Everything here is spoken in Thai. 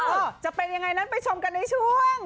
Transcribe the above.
จะเป็นยังไงนั้นไปชมกันในช่วง